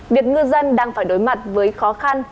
việc ngư dân đang phải đối mặt với khó khăn